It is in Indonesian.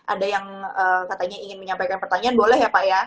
ada yang katanya ingin menyampaikan pertanyaan boleh ya pak ya